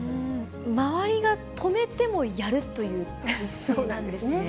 周りが止めてもやるという姿勢なんですね。